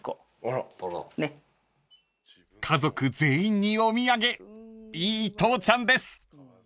［家族全員にお土産いい父ちゃんです］